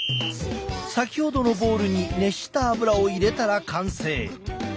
先ほどのボウルに熱した油を入れたら完成。